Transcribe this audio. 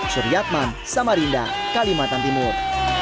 syuri yatman samarinda kalimantan timur